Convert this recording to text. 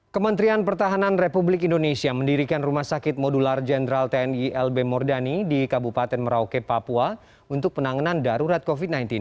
kementerian pertahanan republik indonesia mendirikan rumah sakit modular jenderal tni lb mordani di kabupaten merauke papua untuk penanganan darurat covid sembilan belas